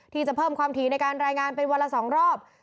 ที่จะเพิ่มความถี่ในการรายงานเป็นวันละ๒รอบ